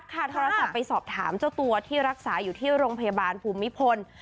โทรศัพท์ไปสอบถามเจ้าตัวที่รักษาอยู่ที่โรงพยาบาลภูมิพล